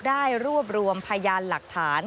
ได้รวบรวมพยานหลักฐาน